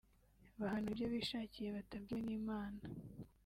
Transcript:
bahanura ibyo bishakiye batabwiwe n’Imana